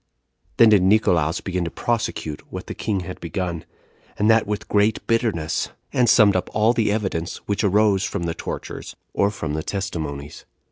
Then did Nicolaus begin to prosecute what the king had begun, and that with great bitterness; and summed up all the evidence which arose from the tortures, or from the testimonies.